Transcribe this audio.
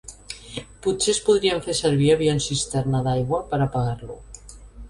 Potser es podrien fer servir avions cisterna d'aigua per apagar-lo.